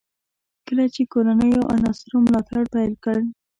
کله چې کورنیو عناصرو ملاتړ پیل کړ.